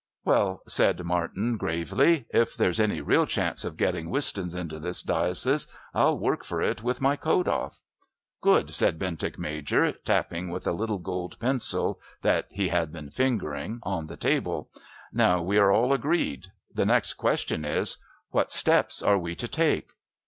"Well," said Martin gravely, "if there's any real chance of getting Wistons into this diocese I'll work for it with my coat off." "Good," said Bentinck Major, tapping with a little gold pencil that he had been fingering, on the table. "Now we are all agreed. The next question is, what steps are we to take?"